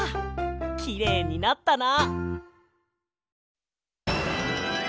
きれいになったな！